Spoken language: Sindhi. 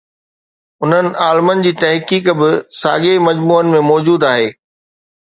انهن عالمن جي تحقيق به ساڳئي مجموعن ۾ موجود آهي.